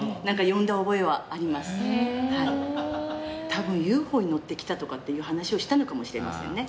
多分「ＵＦＯに乗って来た」とかっていう話をしたのかもしれませんね。